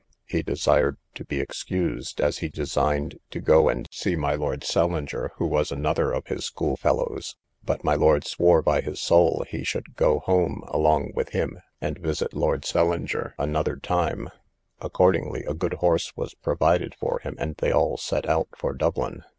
He desired to be excused, as he designed to go and see lord St. Leger, who was another of his school fellows; but my lord swore by his saul he should go home along with him, and visit Lord St. Leger another time; accordingly a good horse was provided for him, and they all set out for Dublin.